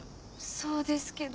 そうですけど。